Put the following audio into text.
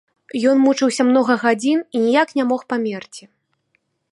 Ён мучыўся многа гадзін і ніяк не мог памерці.